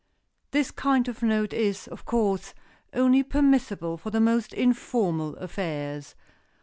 This kind of note is, of course, only permissible for the most informal affairs.